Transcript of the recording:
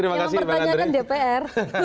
yang bertanya kan dpr